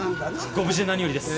ご無事で何よりです。